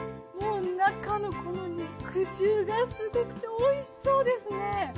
もう中のこの肉汁がすごくておいしそうですね。